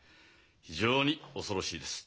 非常に恐ろしいです。